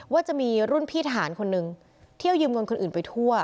ว่าจะมีรุ่นพี่ทหารคนนึงเที่ยวยืมเงินคนอื่นไปทั่ว